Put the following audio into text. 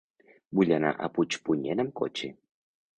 Vull anar a Puigpunyent amb cotxe.